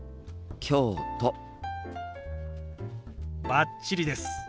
バッチリです。